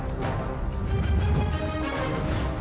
assalamualaikum warahmatullahi wabarakatuh